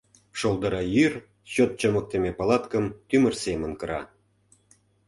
Шолдыра йӱр чот чымыктыме палаткым тӱмыр семын кыра.